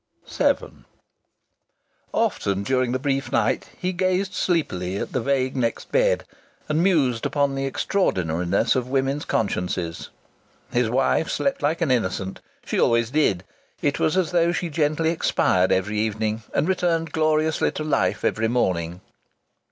VII Often during the brief night he gazed sleepily at the vague next bed and mused upon the extraordinariness of women's consciences. His wife slept like an innocent. She always did. It was as though she gently expired every evening and returned gloriously to life every morning.